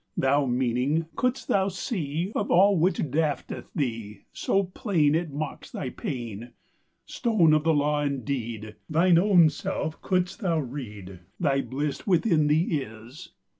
Thou meaning, couldst thou see, Of all which dafteth thee; So plain, It mocks thy pain; Stone of the Law indeed, Thine own self couldst thou read, Thy bliss Within thee is.